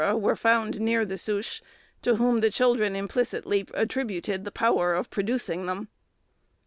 were found near the suche, to whom the children implicitly attributed the power of producing them.